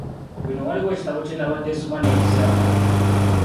Bino waliwo ekitabo kye nnabadde nsoma ne mbisangamu.